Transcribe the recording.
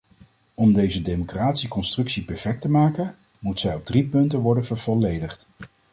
Om deze democratische constructie perfect te maken, moet zij op drie punten worden vervolledigd.